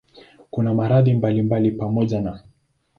Kuna maradhi mbalimbali pamoja na